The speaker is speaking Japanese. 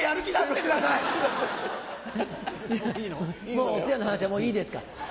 もうお通夜の話はいいですか？